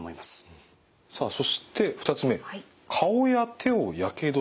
さあそして２つ目顔や手をやけどした。